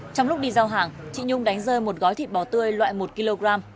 trong lúc đi giao hàng chị nhung đánh rơi một gói thịt bò tươi loại một kg